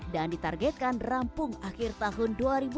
dan ditargetkan rampung akhir tahun